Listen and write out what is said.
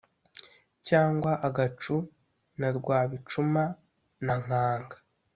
cyangwa agacu na rwabicuma na nkanga